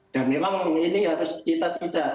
dan memang ini harus kita tidak